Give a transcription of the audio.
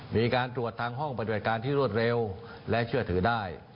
มีการตรวจทางห้องปฏิบัติการที่รวดเร็วและเชื่อถือได้